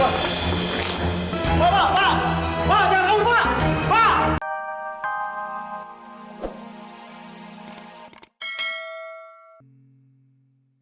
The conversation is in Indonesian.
papa jangan kabur pak